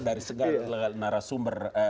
dari segala narasumber